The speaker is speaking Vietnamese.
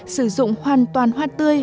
sử dụng hoàn toàn hoa tươi